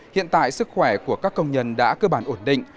hiện tại sức khỏe của các công nhân đã cơ bản ổn định